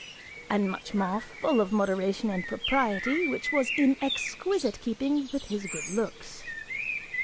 And much more, full of moderation and propriety, which was in exquisite keeping with his good looks.